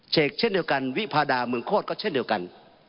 เช่นเดียวกันวิพาดาเมืองโคตรก็เช่นเดียวกัน